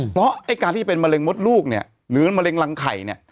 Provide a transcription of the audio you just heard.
เพราะการที่เป็นมะเร็งมดลูกหรือมะเร็งรังไข